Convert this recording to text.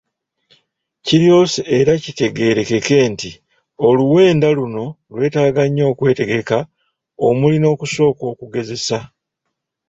Kiryose era kitegeerekeke nti oluwenda luno lwetaaga nnyo okwetegeka omuli n’okusooka okugezesa.